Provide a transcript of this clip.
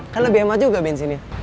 kan lebih hemat juga bensinnya